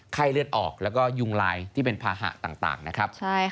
ไข้เลือดออกแล้วก็ยุงลายที่เป็นภาหะต่างนะครับ